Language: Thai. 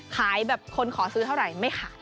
ขายแบบคนขอซื้อเท่าไหร่ไม่ขาย